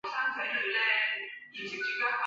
顾颉刚认为的少昊氏加入古史系统自刘歆始。